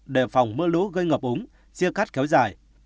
đề phòng mưa lũ gây ngập úng chia cắt kéo dài